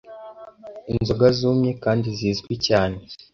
inzoga zumye kandi zizwi cyane